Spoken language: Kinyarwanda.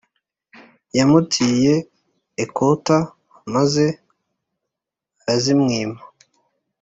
yamutiye ecouter maze arazimwima